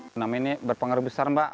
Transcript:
tunamen ini berpengaruh besar mbak